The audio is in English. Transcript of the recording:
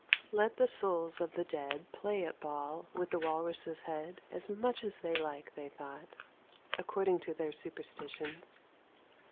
' Let the souls of the dead play at ball with the walrus' head as much as they like,' they thought, according to their superstitions.